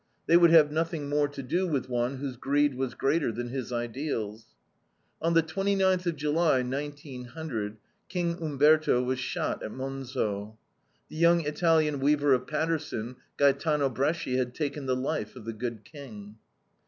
They would have nothing more to do with one whose greed was greater than his ideals. On the twenty ninth of July, 1900, King Umberto was shot at Monzo. The young Italian weaver of Paterson, Gaetano Bresci, had taken the life of the good King.